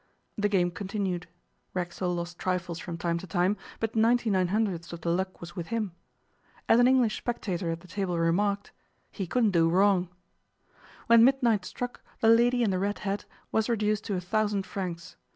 The game continued. Racksole lost trifles from time to time, but ninety nine hundredths of the luck was with him. As an English spectator at the table remarked, 'he couldn't do wrong.' When midnight struck the lady in the red hat was reduced to a thousand francs.